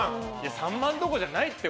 ３万どころじゃないって。